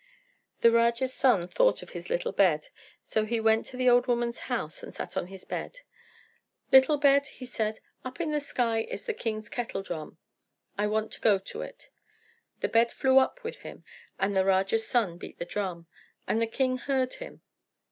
The Raja's son thought of his little bed; so he went to the old woman's house and sat on his bed. "Little bed," he said, "up in the sky is the king's kettle drum. I want to go to it." The bed flew up with him, and the Raja's son beat the drum, and the king heard him.